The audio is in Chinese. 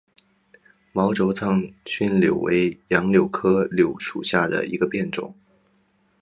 毛轴藏匐柳为杨柳科柳属下的一个变种。